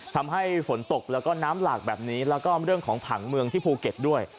ทำให้ฝนตกแล้วก็น้ำหลากแบบนี้แล้วก็เรื่องของผังเมืองที่ภูเก็ตด้วย